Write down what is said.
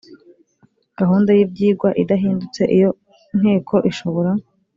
gahunda y ibyigwa idahindutse iyo nteko ishobora